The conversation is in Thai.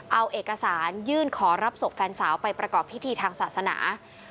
เอาเอกสารยื่นขอรับศพแฟนสาวไปประกอบพิธีทางศาสนา